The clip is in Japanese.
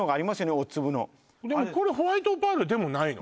大粒のでもこれホワイトオパールでもないの？